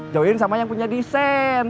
join sama yang punya desain